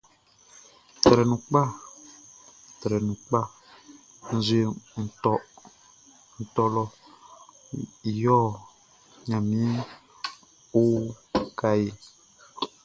Trɛ nu pka trɛ nu pka nʼzue nʼtôlô yôhô, gnamien o kahé.